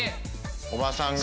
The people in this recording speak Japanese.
おばさんが。